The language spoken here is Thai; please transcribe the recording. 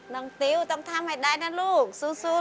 ติ๊วต้องทำให้ได้นะลูกสู้